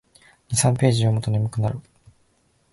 二三ページ読むと眠くなる